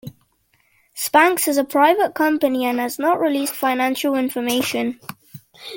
Spanx is a private company and has not released financial information.